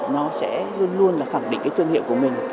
nó sẽ luôn luôn là khẳng định cái thương hiệu của mình